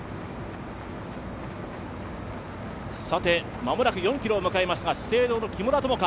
まもなく４ｋｍを迎えますが資生堂の木村友香